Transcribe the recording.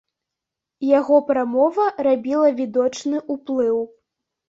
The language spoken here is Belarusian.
Яго прамова рабіла відочны ўплыў.